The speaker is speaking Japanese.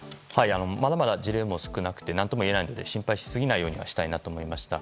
まだまだ事例も少なくて何とも言えないので心配しすぎないようにしたいと思いました。